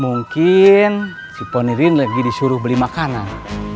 mungkin si ponirin lagi disuruh beli makanan